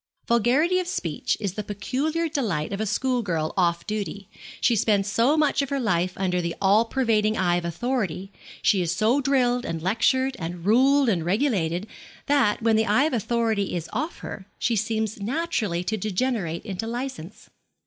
Vulgarity of speech is the peculiar delight of a schoolgirl off duty. She spends so much of her life under the all pervading eye of authority, she is so drilled, and lectured, and ruled and regulated, that, when the eye of authority is off her, she seems naturally to degenerate into licence.